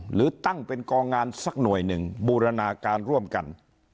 หรือตั้งเป็นกองงานสักหน่วยหนึ่งบูรณาการร่วมกัน